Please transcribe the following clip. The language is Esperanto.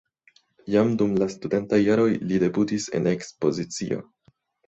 Jam dum la studentaj jaroj li debutis en ekspozicio.